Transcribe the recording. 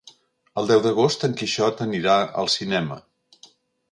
El deu d'agost en Quixot anirà al cinema.